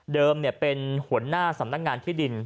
เป็นหัวหน้าสำนักงานที่ดิน